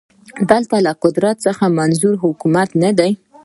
دلته له قدرت څخه منظور حکومت نه دی